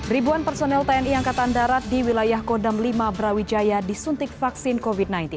ribuan personel tni angkatan darat di wilayah kodam lima brawijaya disuntik vaksin covid sembilan belas